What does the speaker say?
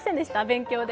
勉強で。